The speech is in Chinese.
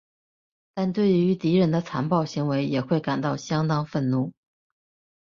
但对于敌人的残暴行为也会感到相当愤怒。